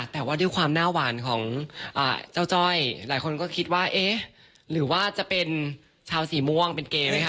แต่ว่าด้วยความหน้าหวานของเจ้าจ้อยหลายคนก็คิดว่าเอ๊ะหรือว่าจะเป็นชาวสีม่วงเป็นเกย์ไหมคะ